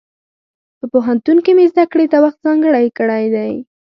په پوهنتون کې مې زده کړې ته وخت ځانګړی کړی دی.